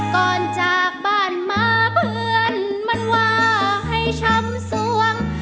ก่อนจากบ้านมาเพื่อนมันว่าให้ช้ำสวง